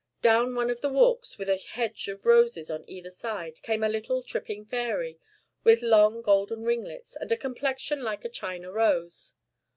Down one of the walks, with a hedge of roses on either side, came a little tripping fairy, with long golden ringlets, and a complexion like a china rose.